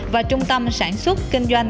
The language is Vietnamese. và trung tâm sản xuất kinh doanh